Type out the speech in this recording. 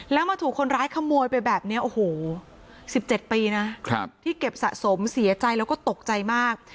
แล้วมาถูกคนร้ายขโมยไปแบบนี้โอ้โห๑๗ปีนะที่เก็บสะสมเสียใจแล้วก็ตกใจมาก